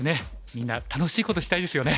みんな楽しいことしたいですよね。